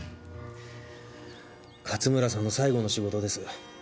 勝村さんの最後の仕事です。